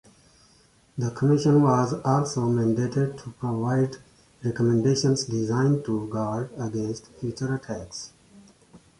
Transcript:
The commission was also mandated to provide recommendations designed to guard against future attacks.